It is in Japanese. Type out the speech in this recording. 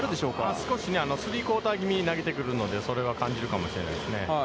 少しスリークォーターぎみに投げてくるので、それは感じるかもしれないですね。